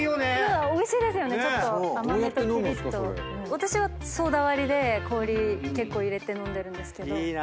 私はソーダ割りで氷結構入れて飲んでるんですけど。